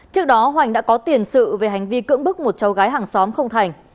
trước đó hoành đã có tiền sự về hành vi cưỡng bức một cháu gái hàng xóm không thành